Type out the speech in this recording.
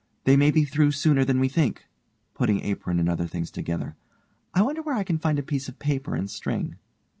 They may be through sooner than we think, (putting apron and other things together) I wonder where I can find a piece of paper, and string.